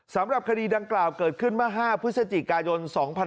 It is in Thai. สำหรับคดีดังกล่าวเกิดขึ้นเมื่อ๕พฤศจิกายน๒๕๖๒